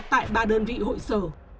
tại ba đơn vị hội sở